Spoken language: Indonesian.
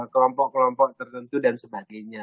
kelompok kelompok tertentu dan sebagainya